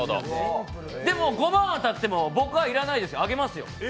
でも、５万当たっても僕は要らないです、あげますよ。